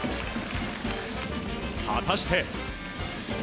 果たして。